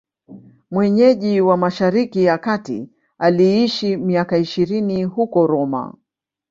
Mwenyeji wa Mashariki ya Kati, aliishi miaka ishirini huko Roma.